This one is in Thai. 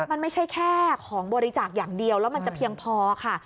มันไม่ใช่แค่ของบริจาคอย่างเดียวแล้วมันจะเพียงพอค่ะ